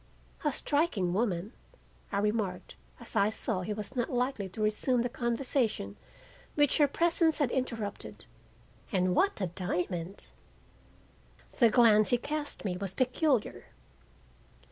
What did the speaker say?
"A striking woman," I remarked as I saw he was not likely to resume the conversation which her presence had interrupted. "And what a diamond!" The glance he cast me was peculiar.